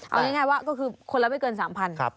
เอาง่ายว่าก็คือคนละไม่เกิน๓๐๐บาท